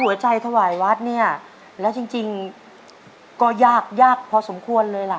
ถวายวัดเนี่ยแล้วจริงก็ยากยากพอสมควรเลยล่ะ